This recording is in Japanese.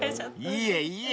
［いえいえ］